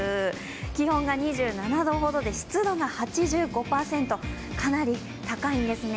気温が２７度ほどで湿度が８５％かなり高いんですね。